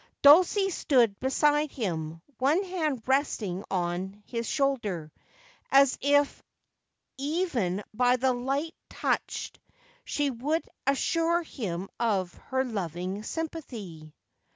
Dulcie stood beside him, one hand resting on his shoulder, as if even by that light touch she would assure him of her loving sympathy.